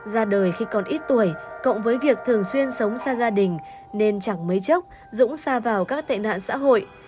ra đời khi còn ít tuổi cộng với việc thường xuyên sống xa gia đình nên chẳng mấy chốc dũng xa vào các tệ nạn xã hội